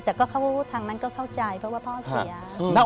แต่ก็ทางนั้นก็เข้าใจเพราะว่าพ่อเสีย